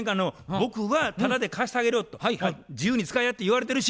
僕は「タダで貸してあげるよ」と「自由に使えや」って言われてるし。